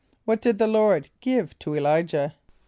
= What did the Lord give to [+E] l[=i]´jah?